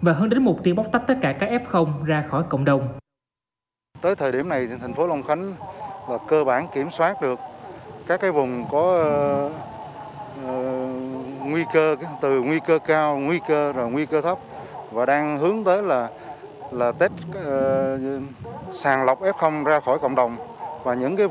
và hơn đến một tiếng bóc tắt tất cả các f ra khỏi cộng đồng